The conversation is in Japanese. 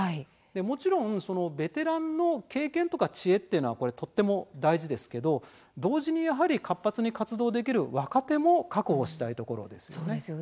もちろんベテランの経験とか知恵というのもとても大事ですが同時に活発に活動できる若手も確保したいところです。